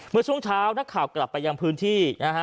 เมื่อช่วงเช้านักข่าวกลับไปยังพื้นที่นะฮะ